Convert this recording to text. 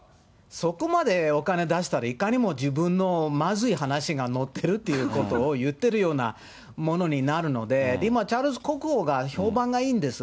そこまでお金出したらいかにも自分のまずい話が載ってるっていうことを言ってるようなものになるので、でも今、チャールズ国王が評判がいいんです。